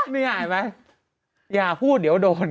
ไม่ได้หากพูดเดี๋ยวโดน